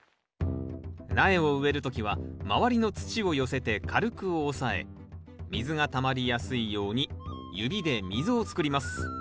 苗を植える時は周りの土を寄せて軽く押さえ水がたまりやすいように指で溝を作ります。